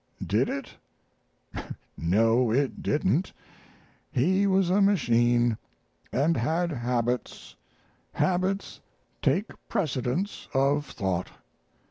Did it? No, it didn't. He was a machine, & had habits. Habits take precedence of thought.